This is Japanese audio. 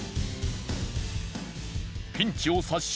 ピンチを察し